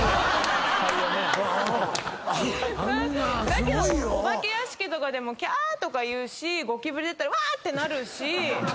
だけどお化け屋敷でもキャ！とか言うしゴキブリだったらうわ！ってなるし。